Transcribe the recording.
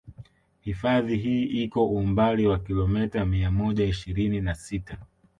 Hifadhi hii iko umbali wa kilometa mia moja ishirini na sita